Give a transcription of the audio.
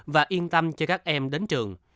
và yên tâm cho các em đến trường